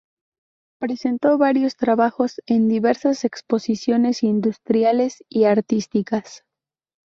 Presentó varios trabajos en diversas exposiciones industriales y artísticas.